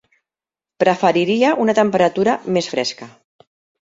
Preferiria una temperatura més fresca.